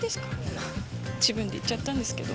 まあ自分で言っちゃったんですけど。